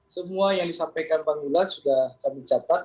semua yang disampaikan bang gulat sudah kami catat